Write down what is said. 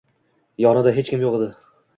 Yonida hech kim yo‘q edi.